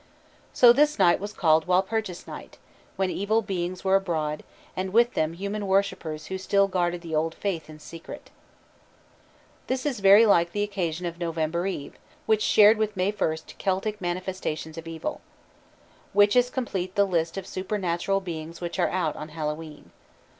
So this night was called Walpurgis Night, when evil beings were abroad, and with them human worshippers who still guarded the old faith in secret. This is very like the occasion of November Eve, which shared with May first Celtic manifestations of evil. Witches complete the list of supernatural beings which are out on Hallowe'en.